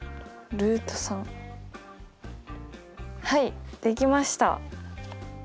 はいできました。